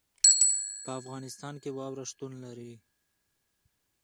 په افغانستان کې واوره شتون لري.